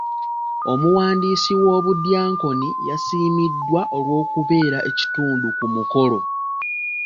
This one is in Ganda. Omuwandiisi w'obudyankoni yasiimiddwa olw'okubeera ekitundu ku mukolo.